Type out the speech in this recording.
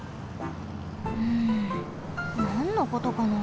うんなんのことかな？